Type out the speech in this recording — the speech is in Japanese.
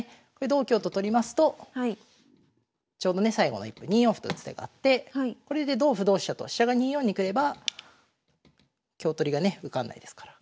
同香と取りますとちょうどね最後の１歩２四歩と打つ手があってこれで同歩同飛車と飛車が２四に来れば香取りがね受かんないですから。